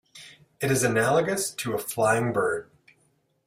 It is analogous to a flying bird.